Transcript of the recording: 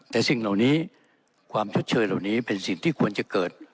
แต่สิ่งเหล่านี้ความชดเชยเหล่านี้เป็นสิ่งที่ควรจะเกิด